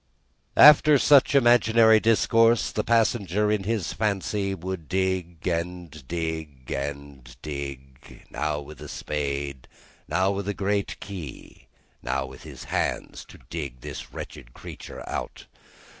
After such imaginary discourse, the passenger in his fancy would dig, and dig, dig now with a spade, now with a great key, now with his hands to dig this wretched creature out.